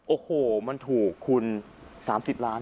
โอ้โหมันถูกคุณ๓๐ล้าน